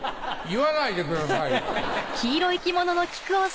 言わないでくださいよ。